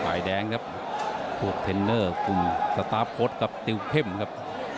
ฝ่ายแดงครับพวกเทนเนอร์กลุ่มสตาร์ฟโค้ดครับติวเข้มครับ